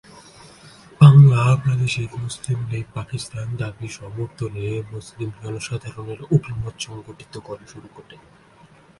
বাংলা প্রাদেশিক মুসলিম লীগ পাকিস্তান দাবির সমর্থনে মুসলিম জনসাধারণের অভিমত সংগঠিত করতে শুরু করে।